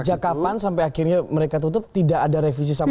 sejak kapan sampai akhirnya mereka tutup tidak ada revisi sama sama